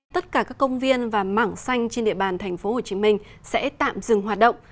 tất cả các công viên và mảng xanh trên địa bàn tp hcm sẽ tạm dừng hoạt động